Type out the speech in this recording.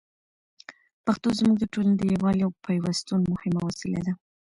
پښتو زموږ د ټولني د یووالي او پېوستون مهمه وسیله ده.